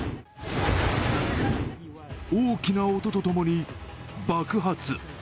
大きな音とともに爆発。